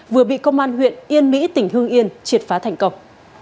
vừa bị công an huyện yên mỹ tỉnh hương yên triệt phá thành công